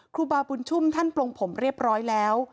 ครูบาบุญชุ่มท่านปลงผมเรียบร้อยแล้ว